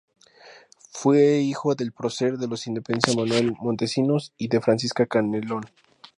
Fue hijo del prócer de la independencia Manuel Montesinos y de Francisca Canelón.